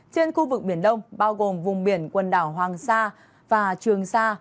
trên khu vực biển đông bao gồm vùng biển quần đảo hoàng sa và trường sa